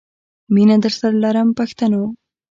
مینه درسره لرم پښتنو.